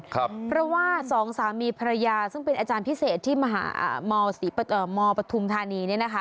เพราะว่าสองสามีภรรยาซึ่งเป็นอาจารย์พิเศษที่มหามปฐุมธานีเนี่ยนะคะ